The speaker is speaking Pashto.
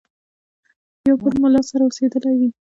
یو بل مُلا سره اوسېدلی وي.